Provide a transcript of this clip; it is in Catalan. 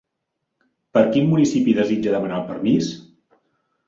Per quin municipi desitja demanar el permís?